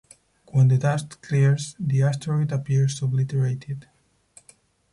When the dust clears, the asteroid appears obliterated.